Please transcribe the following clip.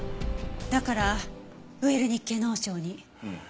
だからウェルニッケ脳症に。